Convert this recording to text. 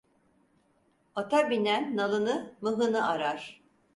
Ata binen nalını, mıhını arar.